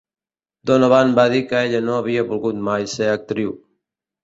Donovan va dir que ella no havia volgut mai ser actriu.